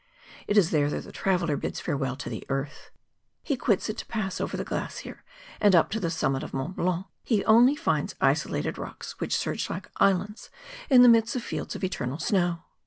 It is there that the traveller bids fare¬ well to the earth. He quits it to pasfe over the glacier, and up to the summit of Mont Blanc he only finds isolated rocks which surge like islands in the midst of fields of eternal snow.